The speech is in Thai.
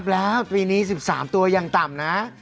แล้วปีนี้๑๓ตัวยังต่ำนะ